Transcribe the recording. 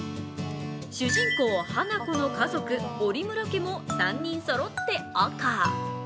主人公・花子の家族、折村家も３人そろって赤。